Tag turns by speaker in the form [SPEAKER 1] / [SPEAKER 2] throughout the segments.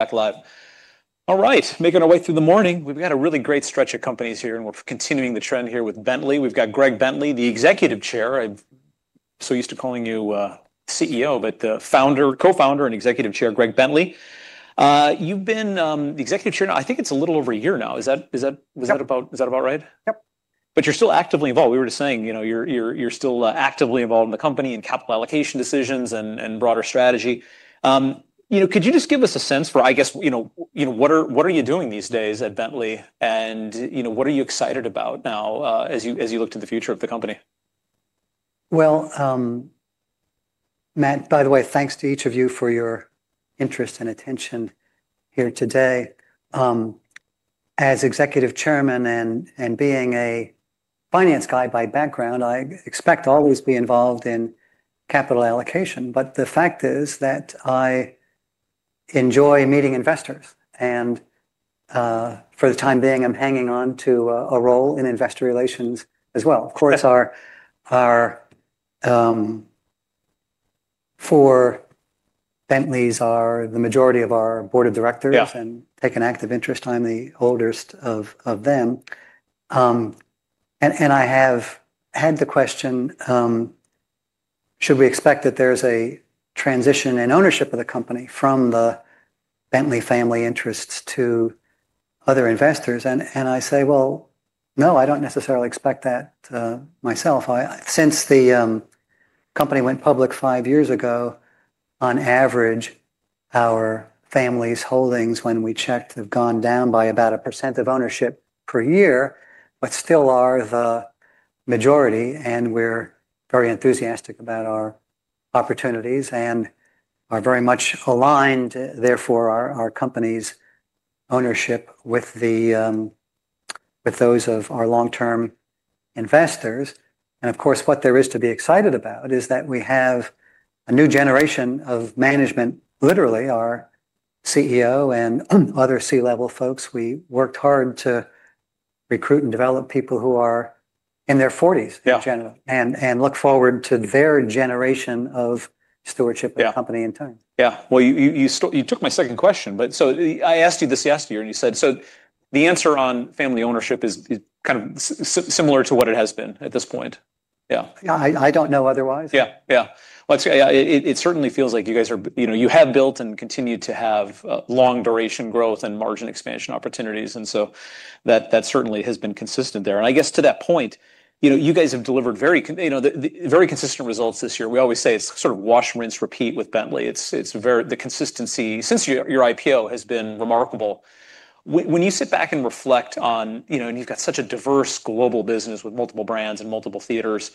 [SPEAKER 1] At live. All right, making our way through the morning. We've got a really great stretch of companies here, and we're continuing the trend here with Bentley. We've got Greg Bentley, the Executive Chair. I'm so used to calling you CEO, but Founder, Co-founder, and Executive Chair, Greg Bentley. You've been the Executive Chair now, I think it's a little over a year now. Is that about right?
[SPEAKER 2] Yep.
[SPEAKER 1] You're still actively involved. We were just saying, you know, you're still actively involved in the company and capital allocation decisions and broader strategy. You know, could you just give us a sense for, I guess, you know, what are you doing these days at Bentley, and what are you excited about now as you look to the future of the company?
[SPEAKER 2] Matt, by the way, thanks to each of you for your interest and attention here today. As Executive Chairman and being a finance guy by background, I expect to always be involved in capital allocation. The fact is that I enjoy meeting investors. For the time being, I'm hanging on to a role in investor relations as well. Of course, for Bentley's, the majority of our board of directors have taken active interest. I'm the oldest of them. I have had the question, should we expect that there's a transition in ownership of the company from the Bentley family interests to other investors? I say, no, I don't necessarily expect that myself. Since the company went public five years ago, on average, our family's holdings, when we checked, have gone down by about 1% of ownership per year, but still are the majority. We are very enthusiastic about our opportunities and are very much aligned, therefore, our company's ownership with those of our long-term investors. Of course, what there is to be excited about is that we have a new generation of management, literally our CEO and other C-level folks. We worked hard to recruit and develop people who are in their 40s, in general, and look forward to their generation of stewardship of the company in time.
[SPEAKER 1] Yeah. You took my second question. I asked you this yesterday, and you said the answer on family ownership is kind of similar to what it has been at this point. Yeah.
[SPEAKER 2] I don't know otherwise.
[SPEAKER 1] Yeah. Yeah. It certainly feels like you guys are, you know, you have built and continue to have long-duration growth and margin expansion opportunities. That certainly has been consistent there. I guess to that point, you guys have delivered very consistent results this year. We always say it's sort of wash, rinse, repeat with Bentley. It's the consistency since your IPO has been remarkable. When you sit back and reflect on, you know, and you've got such a diverse global business with multiple brands and multiple theaters,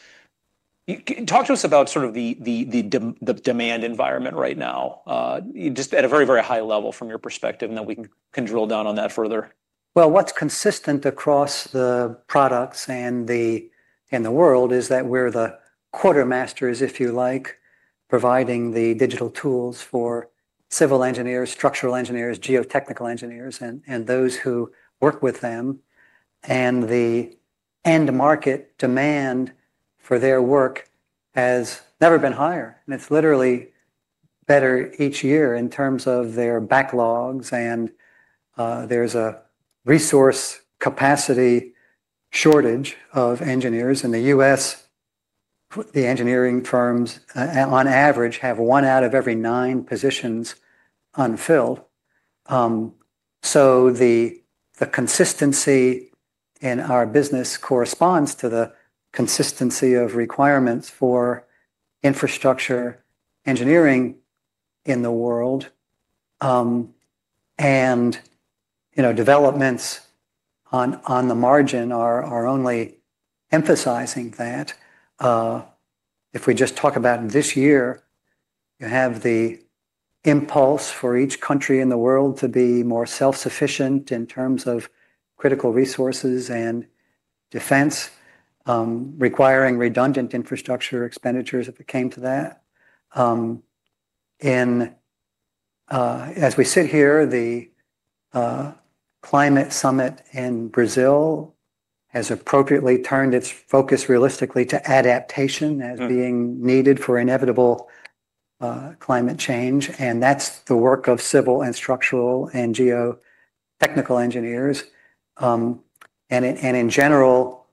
[SPEAKER 1] talk to us about sort of the demand environment right now, just at a very, very high level from your perspective, and then we can drill down on that further.
[SPEAKER 2] What is consistent across the products and the world is that we are the quartermasters, if you like, providing the digital tools for civil engineers, structural engineers, geotechnical engineers, and those who work with them. The end market demand for their work has never been higher. It is literally better each year in terms of their backlogs. There is a resource capacity shortage of engineers in the U.S. The engineering firms, on average, have one out of every nine positions unfilled. The consistency in our business corresponds to the consistency of requirements for infrastructure engineering in the world. Developments on the margin are only emphasizing that. If we just talk about this year, you have the impulse for each country in the world to be more self-sufficient in terms of critical resources and defense, requiring redundant infrastructure expenditures if it came to that. As we sit here, the Climate Summit in Brazil has appropriately turned its focus realistically to adaptation as being needed for inevitable climate change. That is the work of civil and structural and geotechnical engineers. In general,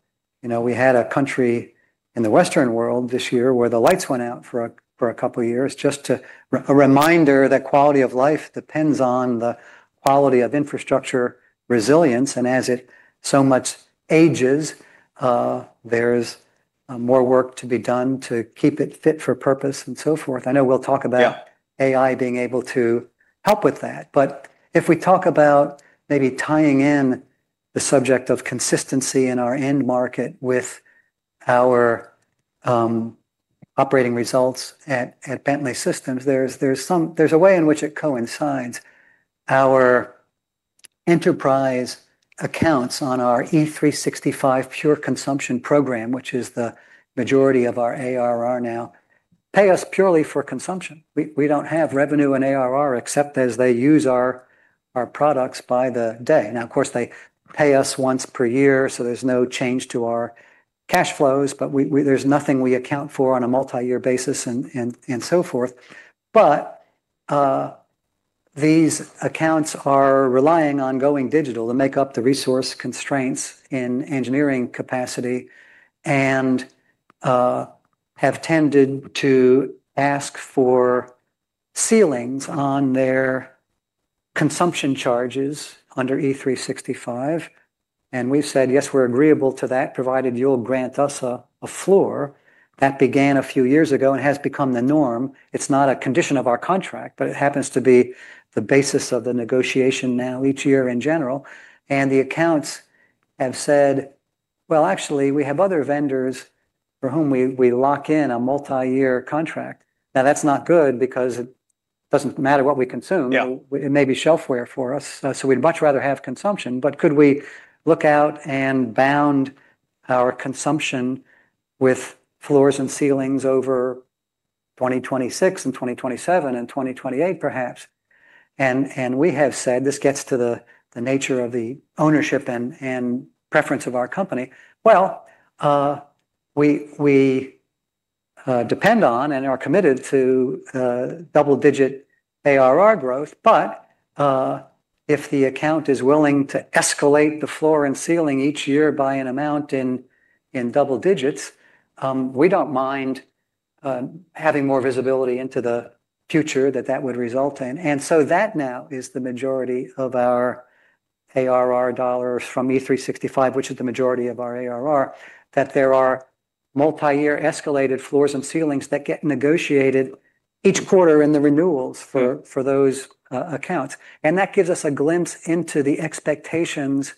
[SPEAKER 2] you know, we had a country in the Western world this year where the lights went out for a couple of years just to remind that quality of life depends on the quality of infrastructure resilience. As it so much ages, there is more work to be done to keep it fit for purpose and so forth. I know we will talk about AI being able to help with that. If we talk about maybe tying in the subject of consistency in our end market with our operating results at Bentley Systems, there is a way in which it coincides. Our enterprise accounts on our E365 Pure Consumption Program, which is the majority of our ARR now, pay us purely for consumption. We do not have revenue in ARR except as they use our products by the day. Now, of course, they pay us once per year, so there is no change to our cash flows, but there is nothing we account for on a multi-year basis and so forth. These accounts are relying on going digital to make up the resource constraints in engineering capacity and have tended to ask for ceilings on their consumption charges under E365. We have said, yes, we are agreeable to that, provided you will grant us a floor. That began a few years ago and has become the norm. It is not a condition of our contract, but it happens to be the basis of the negotiation now each year in general. The accounts have said, actually, we have other vendors for whom we lock in a multi-year contract. That is not good because it does not matter what we consume. It may be shelfware for us. We would much rather have consumption. Could we look out and bound our consumption with floors and ceilings over 2026 and 2027 and 2028, perhaps? We have said, this gets to the nature of the ownership and preference of our company. We depend on and are committed to double-digit ARR growth. If the account is willing to escalate the floor and ceiling each year by an amount in double digits, we do not mind having more visibility into the future that that would result in. That now is the majority of our ARR dollars from E365, which is the majority of our ARR, that there are multi-year escalated floors and ceilings that get negotiated each quarter in the renewals for those accounts. That gives us a glimpse into the expectations.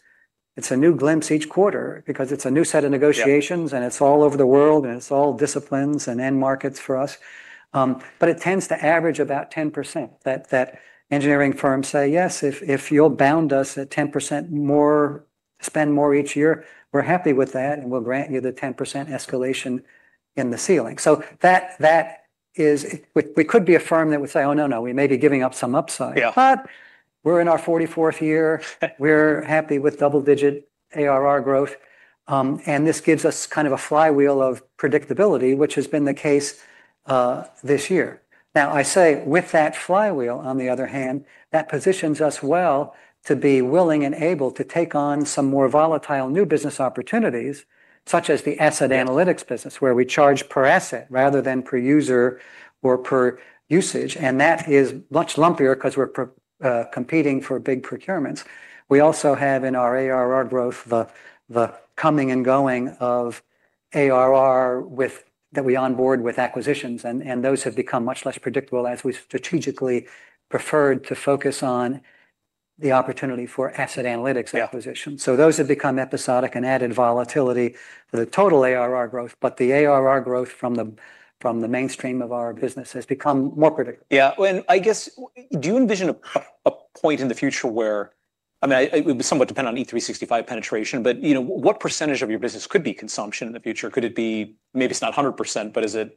[SPEAKER 2] It's a new glimpse each quarter because it's a new set of negotiations, and it's all over the world, and it's all disciplines and end markets for us. It tends to average about 10% that engineering firms say, yes, if you'll bound us at 10% more, spend more each year, we're happy with that, and we'll grant you the 10% escalation in the ceiling. That is, we could be a firm that would say, oh, no, no, we may be giving up some upside. We're in our 44th year. We're happy with double-digit ARR growth. This gives us kind of a flywheel of predictability, which has been the case this year. Now, I say with that flywheel, on the other hand, that positions us well to be willing and able to take on some more volatile new business opportunities, such as the asset analytics business, where we charge per asset rather than per user or per usage. That is much lumpier because we're competing for big procurements. We also have in our ARR growth the coming and going of ARR that we onboard with acquisitions. Those have become much less predictable as we strategically preferred to focus on the opportunity for asset analytics acquisitions. Those have become episodic and added volatility to the total ARR growth. The ARR growth from the mainstream of our business has become more predictable.
[SPEAKER 1] Yeah. I guess, do you envision a point in the future where, I mean, it would somewhat depend on E365 penetration, but what percentage of your business could be consumption in the future? Could it be, maybe it's not 100%, but is it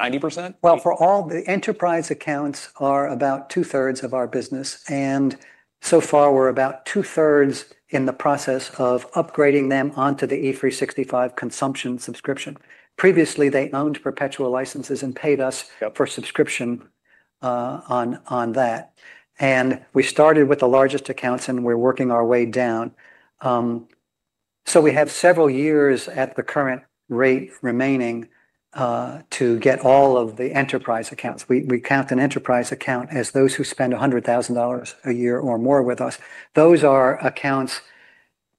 [SPEAKER 1] 90%?
[SPEAKER 2] For all the enterprise accounts, about two-thirds of our business, and so far, we're about two-thirds in the process of upgrading them onto the E365 consumption subscription. Previously, they owned perpetual licenses and paid us for subscription on that. We started with the largest accounts, and we're working our way down. We have several years at the current rate remaining to get all of the enterprise accounts. We count an enterprise account as those who spend $100,000 a year or more with us. Those are accounts,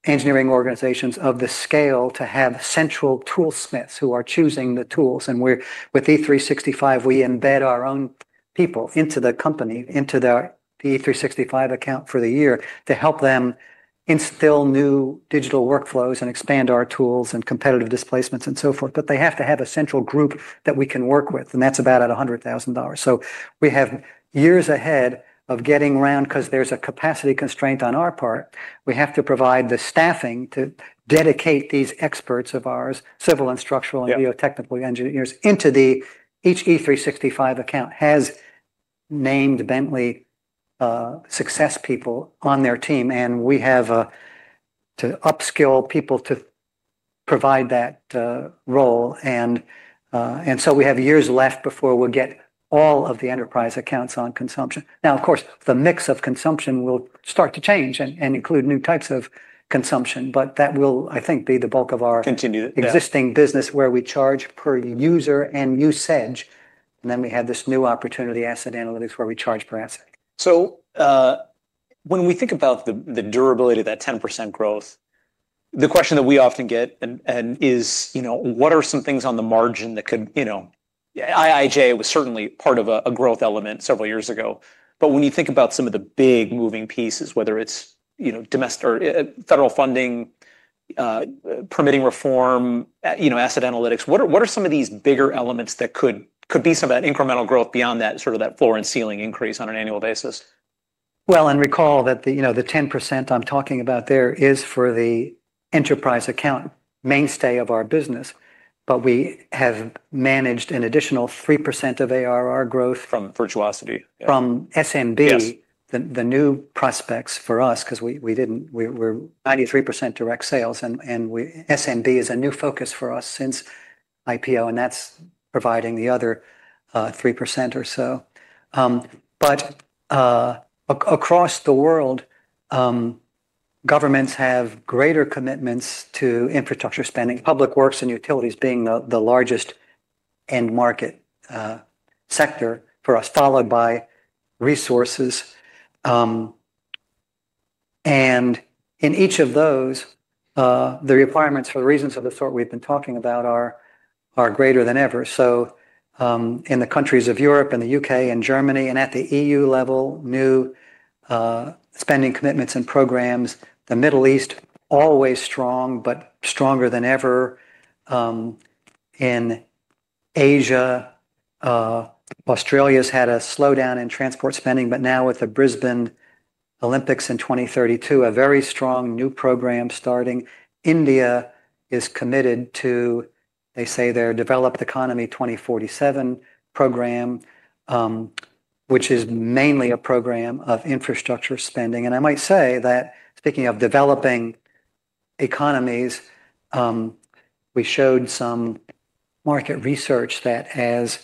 [SPEAKER 2] engineering organizations of the scale to have central tool smiths who are choosing the tools. With E365, we embed our own people into the company, into the E365 account for the year to help them instill new digital workflows and expand our tools and competitive displacements and so forth. They have to have a central group that we can work with. That is about at $100,000. We have years ahead of getting around because there is a capacity constraint on our part. We have to provide the staffing to dedicate these experts of ours, civil and structural and geotechnical engineers, into each E365 account. Each has named Bentley success people on their team. We have to upskill people to provide that role. We have years left before we will get all of the enterprise accounts on consumption. Of course, the mix of consumption will start to change and include new types of consumption. That will, I think, be the bulk of our existing business where we charge per user and usage. Then we have this new opportunity, asset analytics, where we charge per asset.
[SPEAKER 1] When we think about the durability of that 10% growth, the question that we often get is, what are some things on the margin that could, IIJA was certainly part of a growth element several years ago. When you think about some of the big moving pieces, whether it's federal funding, permitting reform, asset analytics, what are some of these bigger elements that could be some of that incremental growth beyond that sort of floor and ceiling increase on an annual basis?
[SPEAKER 2] Recall that the 10% I'm talking about there is for the enterprise account mainstay of our business. But we have managed an additional 3% of ARR growth.
[SPEAKER 1] From Virtuosity.
[SPEAKER 2] From SMB, the new prospects for us, because we didn't, we're 93% direct sales. SMB is a new focus for us since IPO. That's providing the other 3% or so. Across the world, governments have greater commitments to infrastructure spending, public works and utilities being the largest end market sector for us, followed by resources. In each of those, the requirements for the reasons of the sort we've been talking about are greater than ever. In the countries of Europe and the U.K. and Germany and at the EU level, new spending commitments and programs. The Middle East, always strong, but stronger than ever. In Asia, Australia has had a slowdown in transport spending, but now with the Brisbane Olympics in 2032, a very strong new program starting. India is committed to, they say, their developed economy 2047 program, which is mainly a program of infrastructure spending. I might say that speaking of developing economies, we showed some market research that as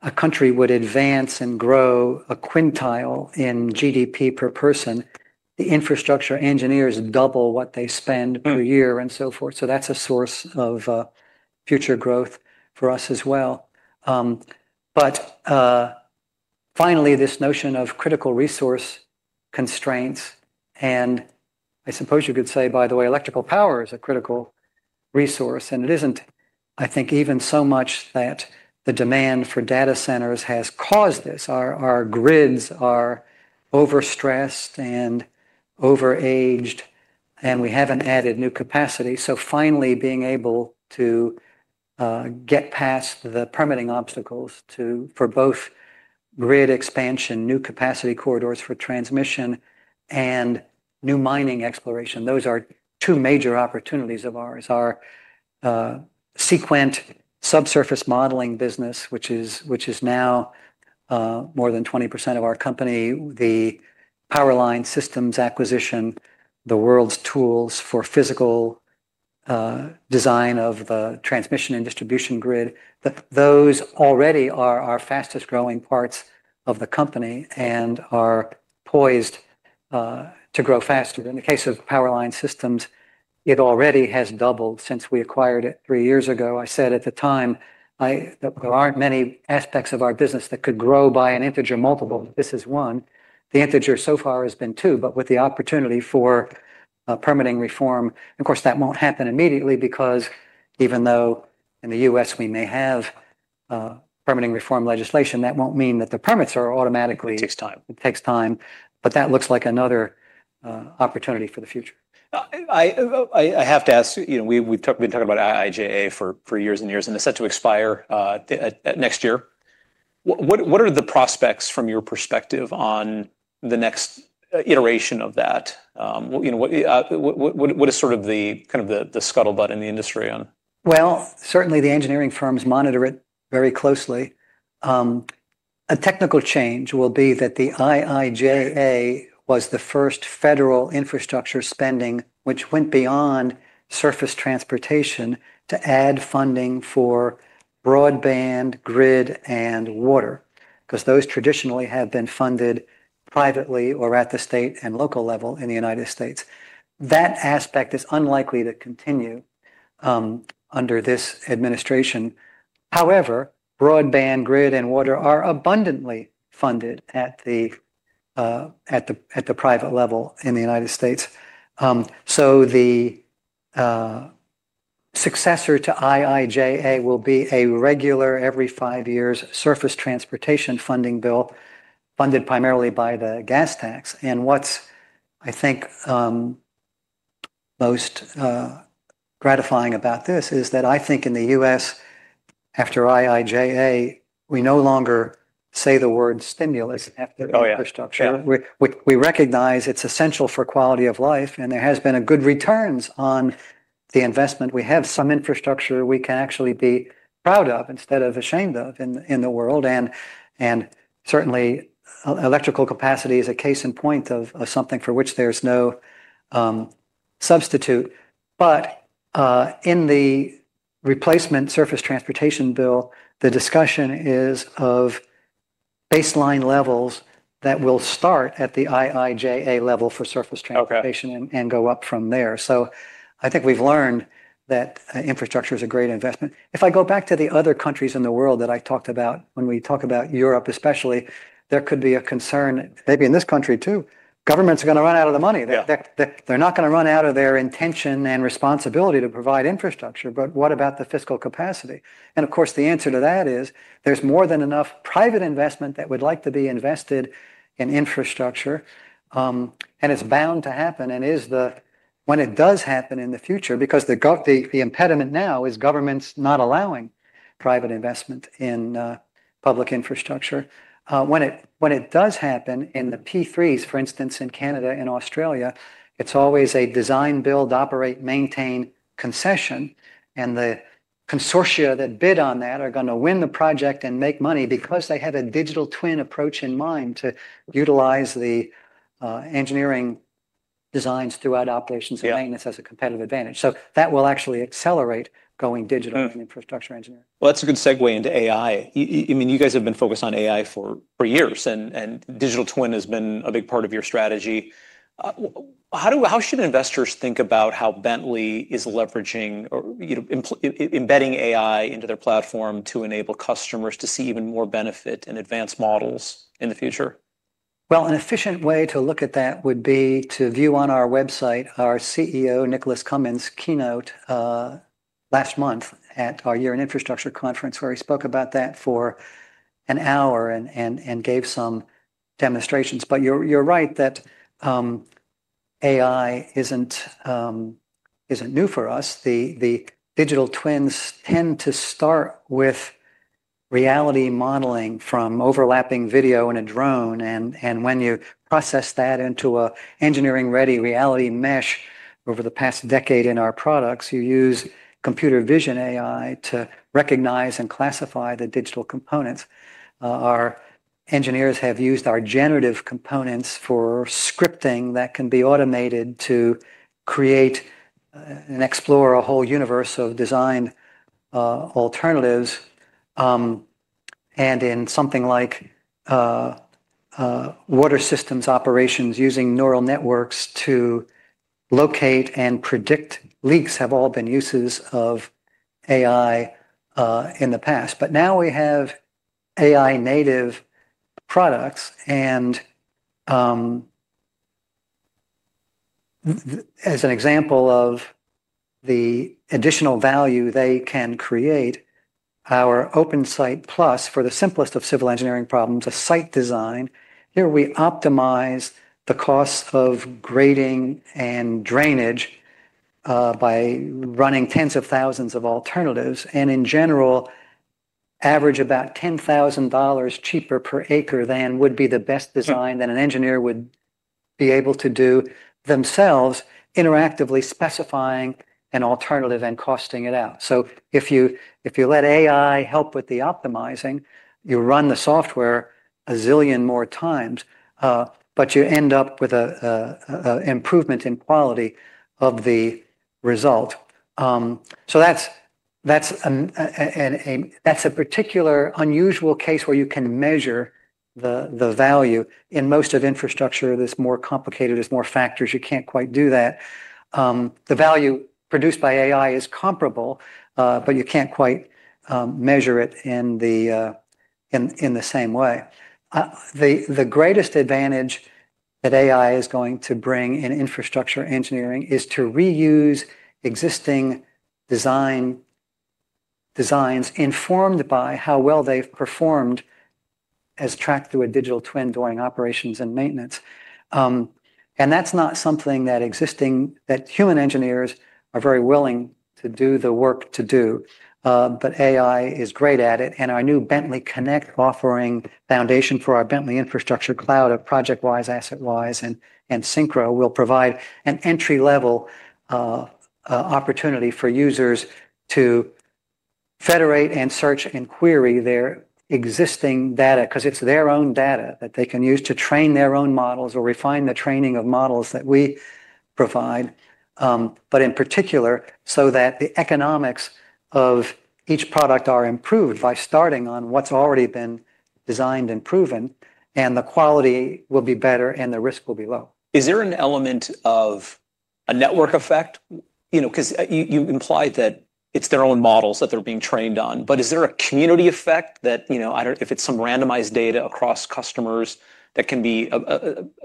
[SPEAKER 2] a country would advance and grow a quintile in GDP per person, the infrastructure engineers double what they spend per year and so forth. That is a source of future growth for us as well. Finally, this notion of critical resource constraints. I suppose you could say, by the way, electrical power is a critical resource. It is not, I think, even so much that the demand for data centers has caused this. Our grids are overstressed and overaged. We have not added new capacity. Finally, being able to get past the permitting obstacles for both grid expansion, new capacity corridors for transmission, and new mining exploration, those are two major opportunities of ours. Our Seequent subsurface modeling business, which is now more than 20% of our company, the Power Line Systems acquisition, the world's tools for physical design of the transmission and distribution grid, those already are our fastest growing parts of the company and are poised to grow faster. In the case of Power Line Systems, it already has doubled since we acquired it three years ago. I said at the time that there aren't many aspects of our business that could grow by an integer multiple. This is one. The integer so far has been two, but with the opportunity for permitting reform. Of course, that won't happen immediately because even though in the U.S. we may have permitting reform legislation, that won't mean that the permits are automatically.
[SPEAKER 1] It takes time.
[SPEAKER 2] It takes time. That looks like another opportunity for the future.
[SPEAKER 1] I have to ask, we've been talking about IIJA for years and years and it's set to expire next year. What are the prospects from your perspective on the next iteration of that? What is sort of the kind of the scuttlebutt in the industry on?
[SPEAKER 2] Certainly the engineering firms monitor it very closely. A technical change will be that the IIJA was the first federal infrastructure spending, which went beyond surface transportation to add funding for broadband, grid, and water, because those traditionally have been funded privately or at the state and local level in the U.S. That aspect is unlikely to continue under this administration. However, broadband, grid, and water are abundantly funded at the private level in the U.S. The successor to IIJA will be a regular every five years surface transportation funding bill funded primarily by the gas tax. What is, I think, most gratifying about this is that I think in the U.S., after IIJA, we no longer say the word stimulus after infrastructure. We recognize it is essential for quality of life. There has been a good return on the investment. We have some infrastructure we can actually be proud of instead of ashamed of in the world. Certainly, electrical capacity is a case in point of something for which there's no substitute. In the replacement surface transportation bill, the discussion is of baseline levels that will start at the IIJA level for surface transportation and go up from there. I think we've learned that infrastructure is a great investment. If I go back to the other countries in the world that I talked about, when we talk about Europe, especially, there could be a concern, maybe in this country too, governments are going to run out of the money. They're not going to run out of their intention and responsibility to provide infrastructure. What about the fiscal capacity? Of course, the answer to that is there's more than enough private investment that would like to be invested in infrastructure. It's bound to happen. When it does happen in the future, because the impediment now is governments not allowing private investment in public infrastructure, when it does happen in the P3s, for instance, in Canada and Australia, it's always a design, build, operate, maintain concession. The consortia that bid on that are going to win the project and make money because they have a digital twin approach in mind to utilize the engineering designs throughout operations and maintenance as a competitive advantage. That will actually accelerate going digital in infrastructure engineering.
[SPEAKER 1] That's a good segue into AI. I mean, you guys have been focused on AI for years. And digital twin has been a big part of your strategy. How should investors think about how Bentley is leveraging or embedding AI into their platform to enable customers to see even more benefit and advanced models in the future?
[SPEAKER 2] An efficient way to look at that would be to view on our website, our CEO, Nicholas Cumins, keynote last month at our Year in Infrastructure conference, where he spoke about that for an hour and gave some demonstrations. You're right that AI isn't new for us. The digital twins tend to start with reality modeling from overlapping video and a drone. When you process that into an engineering-ready reality mesh over the past decade in our products, you use computer vision AI to recognize and classify the digital components. Our engineers have used our generative components for scripting that can be automated to create and explore a whole universe of design alternatives. In something like water systems operations, using neural networks to locate and predict leaks have all been uses of AI in the past. Now we have AI-native products. As an example of the additional value they can create, our OpenSite Plus for the simplest of civil engineering problems, a site design. Here we optimize the costs of grading and drainage by running tens of thousands of alternatives. In general, average about $10,000 cheaper per acre than would be the best design that an engineer would be able to do themselves, interactively specifying an alternative and costing it out. If you let AI help with the optimizing, you run the software a zillion more times, but you end up with an improvement in quality of the result. That is a particular unusual case where you can measure the value. In most of infrastructure, this is more complicated, there are more factors. You cannot quite do that. The value produced by AI is comparable, but you cannot quite measure it in the same way. The greatest advantage that AI is going to bring in infrastructure engineering is to reuse existing designs informed by how well they've performed as tracked through a digital twin during operations and maintenance. That is not something that human engineers are very willing to do the work to do. AI is great at it. Our new Bentley Connect offering, foundation for our Bentley Infrastructure Cloud of ProjectWise, AssetWise, and Syncro, will provide an entry-level opportunity for users to federate and search and query their existing data, because it's their own data that they can use to train their own models or refine the training of models that we provide. In particular, the economics of each product are improved by starting on what's already been designed and proven. The quality will be better and the risk will be low.
[SPEAKER 1] Is there an element of a network effect? Because you implied that it's their own models that they're being trained on. But is there a community effect that, if it's some randomized data across customers, that can be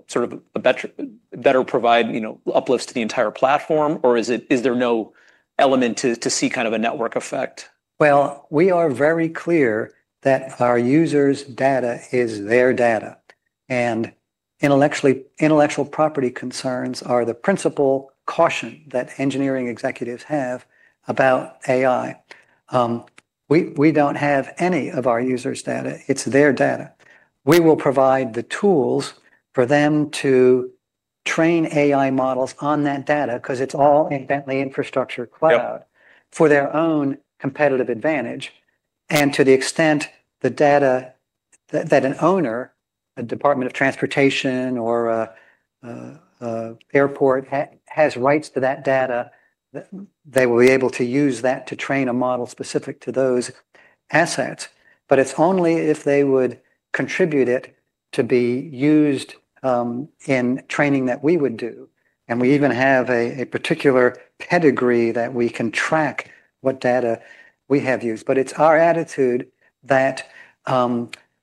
[SPEAKER 1] sort of a better provide uplifts to the entire platform? Or is there no element to see kind of a network effect?
[SPEAKER 2] We are very clear that our users' data is their data. Intellectual property concerns are the principal caution that engineering executives have about AI. We do not have any of our users' data. It is their data. We will provide the tools for them to train AI models on that data, because it is all in Bentley Infrastructure Cloud for their own competitive advantage. To the extent the data that an owner, a Department of Transportation or an airport has rights to that data, they will be able to use that to train a model specific to those assets. It is only if they would contribute it to be used in training that we would do. We even have a particular pedigree that we can track what data we have used. It is our attitude that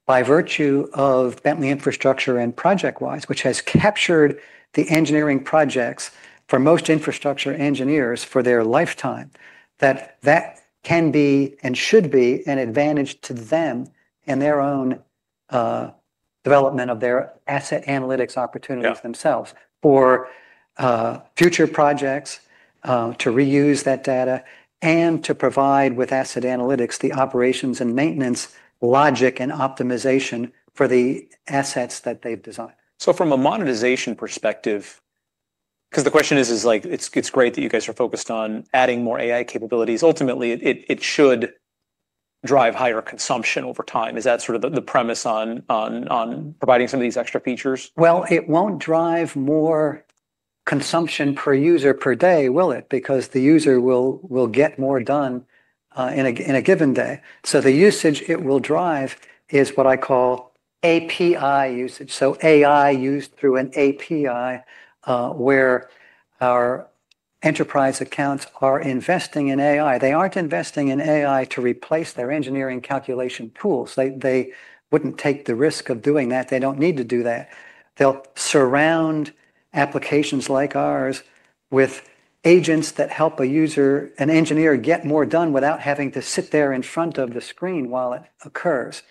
[SPEAKER 2] by virtue of Bentley Infrastructure Cloud and ProjectWise, which has captured the engineering projects for most infrastructure engineers for their lifetime, that that can be and should be an advantage to them and their own development of their asset analytics opportunities themselves for future projects to reuse that data and to provide with asset analytics the operations and maintenance logic and optimization for the assets that they have designed.
[SPEAKER 1] From a monetization perspective, because the question is, it's great that you guys are focused on adding more AI capabilities. Ultimately, it should drive higher consumption over time. Is that sort of the premise on providing some of these extra features?
[SPEAKER 2] It will not drive more consumption per user per day, will it? Because the user will get more done in a given day. The usage it will drive is what I call API usage. AI used through an API where our enterprise accounts are investing in AI. They are not investing in AI to replace their engineering calculation tools. They would not take the risk of doing that. They do not need to do that. They will surround applications like ours with agents that help a user, an engineer, get more done without having to sit there in front of the screen while it occurs.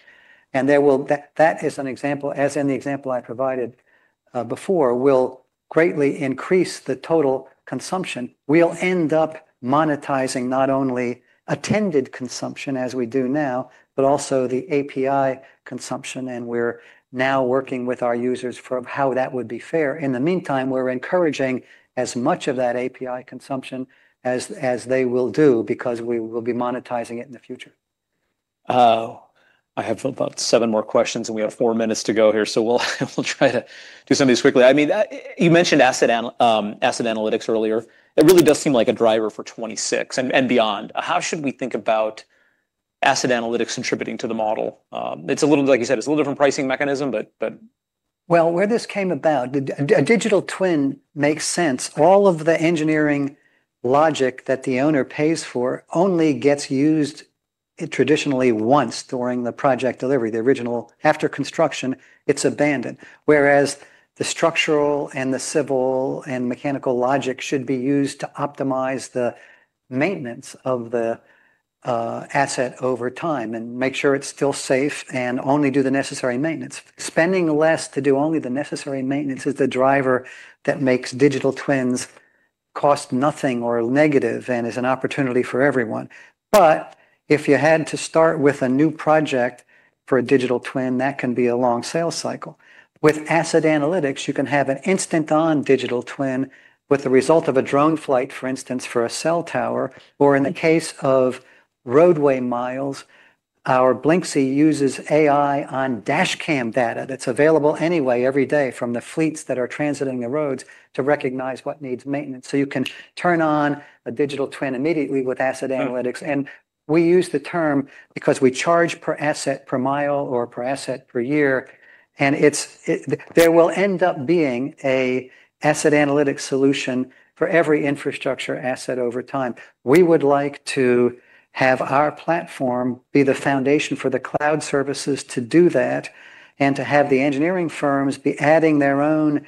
[SPEAKER 2] That is an example, as in the example I provided before, that will greatly increase the total consumption. We will end up monetizing not only attended consumption as we do now, but also the API consumption. We're now working with our users for how that would be fair. In the meantime, we're encouraging as much of that API consumption as they will do, because we will be monetizing it in the future.
[SPEAKER 1] I have about seven more questions, and we have four minutes to go here. We'll try to do some of these quickly. I mean, you mentioned asset analytics earlier. It really does seem like a driver for 2026 and beyond. How should we think about asset analytics contributing to the model? It's a little, like you said, it's a little different pricing mechanism, but.
[SPEAKER 2] A digital twin makes sense. All of the engineering logic that the owner pays for only gets used traditionally once during the project delivery. The original, after construction, it's abandoned. Whereas the structural and the civil and mechanical logic should be used to optimize the maintenance of the asset over time and make sure it's still safe and only do the necessary maintenance. Spending less to do only the necessary maintenance is the driver that makes digital twins cost nothing or negative and is an opportunity for everyone. If you had to start with a new project for a digital twin, that can be a long sales cycle. With asset analytics, you can have an instant-on digital twin with the result of a drone flight, for instance, for a cell tower. Or in the case of roadway miles, our Blinksee uses AI on dashcam data that's available anyway every day from the fleets that are transiting the roads to recognize what needs maintenance. You can turn on a digital twin immediately with asset analytics. We use the term because we charge per asset per mile or per asset per year. There will end up being an asset analytics solution for every infrastructure asset over time. We would like to have our platform be the foundation for the cloud services to do that and to have the engineering firms be adding their own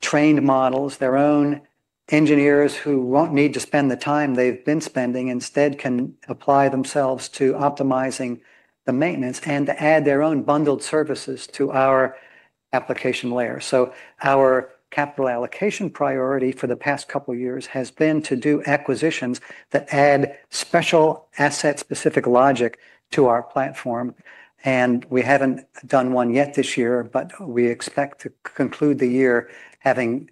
[SPEAKER 2] trained models, their own engineers who won't need to spend the time they've been spending and instead can apply themselves to optimizing the maintenance and to add their own bundled services to our application layer. Our capital allocation priority for the past couple of years has been to do acquisitions that add special asset-specific logic to our platform. We haven't done one yet this year, but we expect to conclude the year having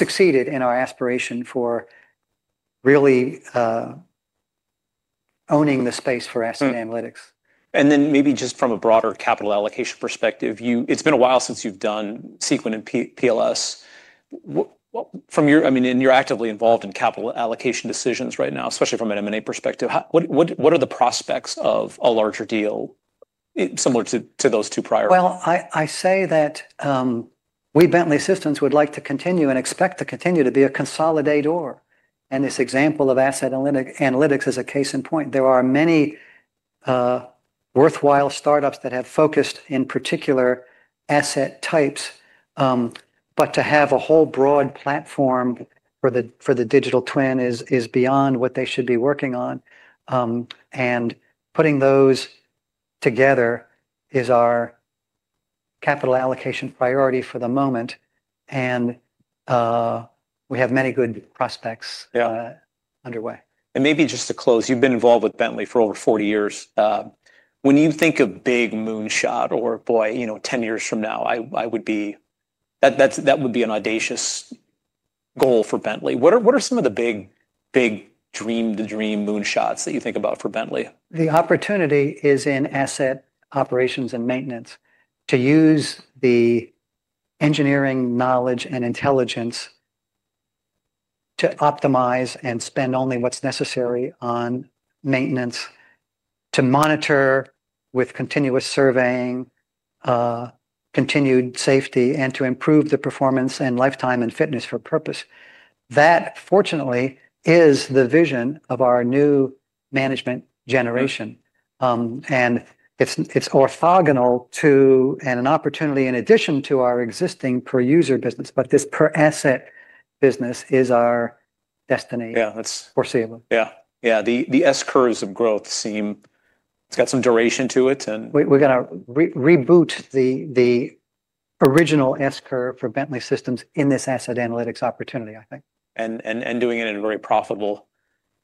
[SPEAKER 2] succeeded in our aspiration for really owning the space for asset analytics.
[SPEAKER 1] Maybe just from a broader capital allocation perspective, it's been a while since you've done Seequent and Power Line Systems. I mean, you're actively involved in capital allocation decisions right now, especially from an M&A perspective. What are the prospects of a larger deal similar to those two priorities?
[SPEAKER 2] I say that we Bentley Systems would like to continue and expect to continue to be a consolidator. This example of asset analytics is a case in point. There are many worthwhile startups that have focused in particular asset types. To have a whole broad platform for the digital twin is beyond what they should be working on. Putting those together is our capital allocation priority for the moment. We have many good prospects underway.
[SPEAKER 1] Maybe just to close, you've been involved with Bentley for over 40 years. When you think of big moonshot or, boy, 10 years from now, that would be an audacious goal for Bentley. What are some of the big dream-to-dream moonshots that you think about for Bentley?
[SPEAKER 2] The opportunity is in asset operations and maintenance to use the engineering knowledge and intelligence to optimize and spend only what's necessary on maintenance, to monitor with continuous surveying, continued safety, and to improve the performance and lifetime and fitness for purpose. That, fortunately, is the vision of our new management generation. It is orthogonal to an opportunity in addition to our existing per user business. This per asset business is our destiny.
[SPEAKER 1] Yeah, that's.
[SPEAKER 2] Foreseeable.
[SPEAKER 1] Yeah. Yeah. The S curves of growth seem it's got some duration to it.
[SPEAKER 2] We're going to reboot the original S curve for Bentley Systems in this asset analytics opportunity, I think.
[SPEAKER 1] Doing it in a very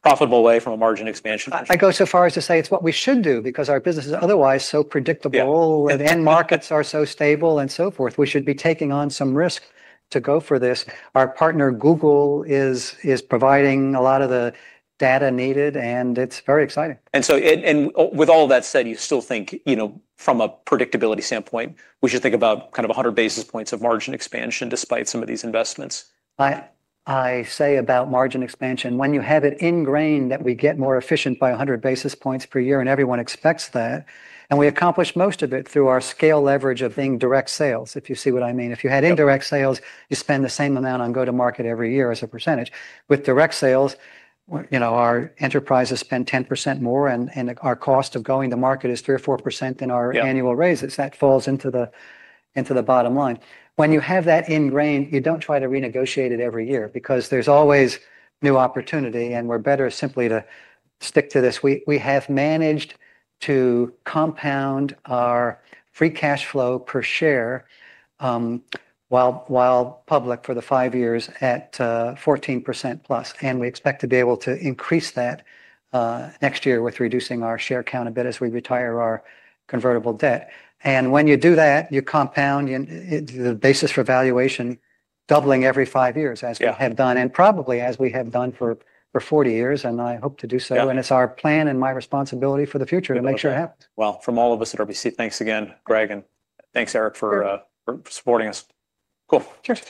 [SPEAKER 1] profitable way from a margin expansion.
[SPEAKER 2] I go so far as to say it's what we should do, because our business is otherwise so predictable and markets are so stable and so forth. We should be taking on some risk to go for this. Our partner, Google, is providing a lot of the data needed, and it's very exciting.
[SPEAKER 1] With all that said, you still think from a predictability standpoint, we should think about kind of 100 basis points of margin expansion despite some of these investments.
[SPEAKER 2] I say about margin expansion when you have it ingrained that we get more efficient by 100 basis points per year, and everyone expects that. We accomplish most of it through our scale leverage of indirect sales, if you see what I mean. If you had indirect sales, you spend the same amount on go-to-market every year as a percentage. With direct sales, our enterprises spend 10% more, and our cost of going to market is 3% or 4% in our annual raises. That falls into the bottom line. When you have that ingrained, you do not try to renegotiate it every year, because there is always new opportunity, and we are better simply to stick to this. We have managed to compound our free cash flow per share while public for the five years at 14% plus. We expect to be able to increase that next year with reducing our share count a bit as we retire our convertible debt. When you do that, you compound the basis for valuation doubling every five years, as we have done, and probably as we have done for 40 years. I hope to do so. It is our plan and my responsibility for the future to make sure it happens.
[SPEAKER 1] From all of us at RBC, thanks again, Greg, and thanks, Eric, for supporting us. Cool.
[SPEAKER 2] Sure.